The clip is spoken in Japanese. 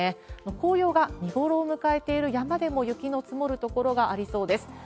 紅葉が見頃を迎えている山でも雪の積もる所がありそうです。